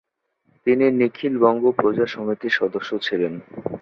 তিনি নিখিল বঙ্গ প্রজা সমিতির সদস্য ছিলেন।